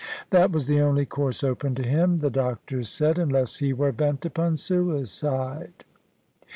That was the only course open to him, the doctor said, unless he were bent upon suicide.